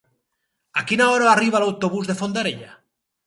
A quina hora arriba l'autobús de Fondarella?